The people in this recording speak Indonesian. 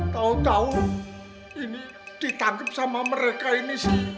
tahu tahu ini ditangkep sama mereka ini sih